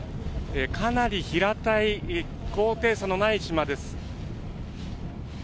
かなり平たい、高低差のない島です。